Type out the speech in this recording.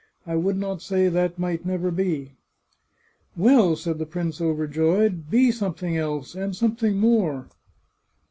I would not say that might never be." " Well," said the prince, overjoyed, " be something else, and something more